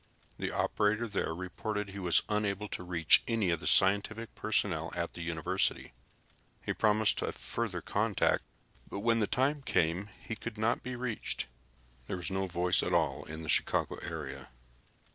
The operator there reported he was unable to reach any of the scientific personnel at the university. He promised a further contact, but when the time came he could not be reached. There was no voice at all in the Chicago area.